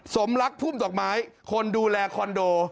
สมรักพุ่มดอกไม้คนดูแลคอนโด